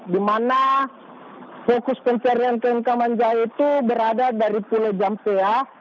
di mana fokus pencarian keingkaman jahe itu berada dari pulau jampea